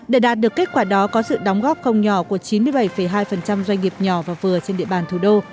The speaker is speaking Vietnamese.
để đạt được kết quả đó có sự đóng góp không nhỏ của chín mươi bảy hai doanh nghiệp nhỏ và vừa trên địa bàn thủ đô